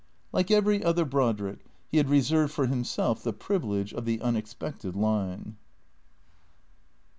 Like every other Brodrick he had reserved for himself the privilege of the unexpected line.